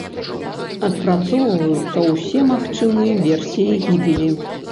Адпрацоўваюцца ўсе магчымыя версіі гібелі.